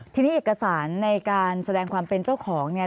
ทีนี้เอกสารในการแสดงความเป็นเจ้าของเนี่ย